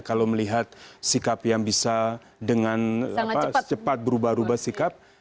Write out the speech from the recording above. kalau melihat sikap yang bisa dengan cepat berubah ubah sikap